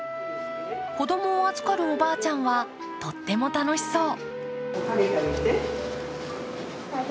子供を預かるおばあちゃんは、とっても楽しそう。